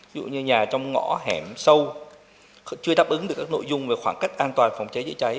ví dụ như nhà trong ngõ hẻm sâu chưa đáp ứng được các nội dung về khoảng cách an toàn phòng cháy chữa cháy